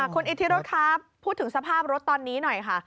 คุณอิทธิรสครับพูดถึงสภาพรถตอนนี้หน่อยค่ะ